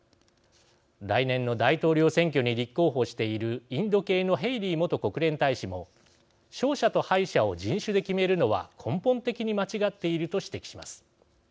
来年の大統領選挙に立候補しているインド系のヘイリー元国連大使も勝者と敗者を人種で決めるのは根本的に間違っていると指摘します。